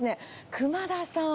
熊ださん。